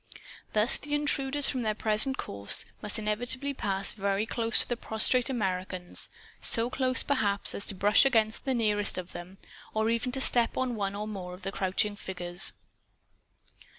Thus the intruders, from their present course, must inevitably pass very close to the prostrate Americans so close, perhaps, as to brush against the nearest of them, or even to step on one or more of the crouching figures.